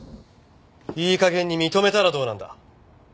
いい加減に認めたらどうなんだ？